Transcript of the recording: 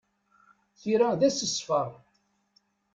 Tira d assesfer.